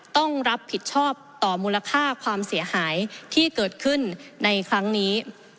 ต้องรับผิดชอบต่อมูลค่าความเสียหายที่เกิดขึ้นในครั้งนี้